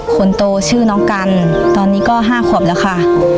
คนโตชื่อน้องกันตอนนี้ก็๕ขวบแล้วค่ะ